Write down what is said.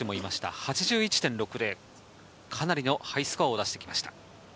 ８１．６０、かなりのハイスコアを出してきました。